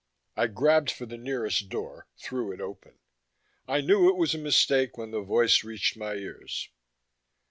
I grabbed for the nearer door, threw it open. I knew it was a mistake when the voice reached my ears.